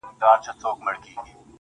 ز ماپر حا ل باندي ژړا مه كوه_